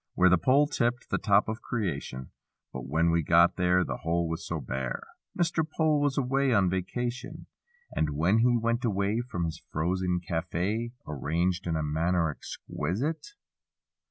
Where the pole tipped the top of creation But when we got there The hole was so bare— Mr. Pole was away on vacation. And when he went away, From his frozen cafe, (Arranged in a manner exquisite).